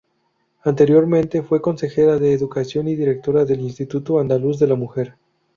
Anteriormente fue consejera de Educación y directora del Instituto Andaluz de la Mujer.